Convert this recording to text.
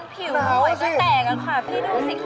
ผีวผมโหยจะแต่ง่ะค่ะพี่ดูสิคะ